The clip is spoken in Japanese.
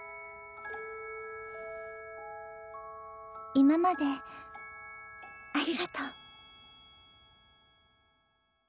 今までありがとう。